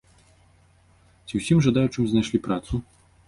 Ці ўсім жадаючым знайшлі працу?